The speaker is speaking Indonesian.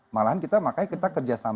malahan kita makanya kita kerjasama